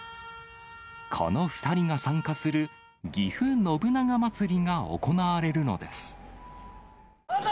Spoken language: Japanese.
この２人が参加する、ぎふ信長まつりが行われるのです。